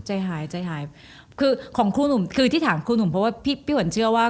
ใจหายใจหายคือของครูหนุ่มคือที่ถามครูหนุ่มเพราะว่าพี่ขวัญเชื่อว่า